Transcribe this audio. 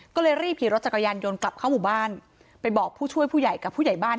ก็เลยรีบขี่รถจักรยานยนต์กลับเข้าหมู่บ้านไปบอกผู้ช่วยผู้ใหญ่กับผู้ใหญ่บ้าน